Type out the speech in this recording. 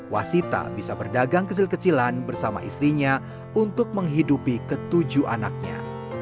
wasita bisa berdagang kecil kecilan bersama istrinya untuk menghidupi ketujuh anaknya